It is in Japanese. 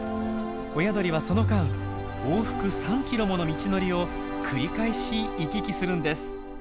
親鳥はその間往復３ｋｍもの道のりを繰り返し行き来するんです。